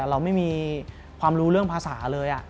เราไม่มีความรู้เรื่องภาษาเลย